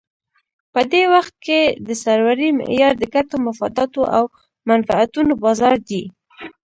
په دې وخت کې د سرورۍ معیار د ګټو، مفاداتو او منفعتونو بازار دی.